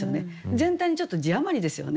全体にちょっと字余りですよね。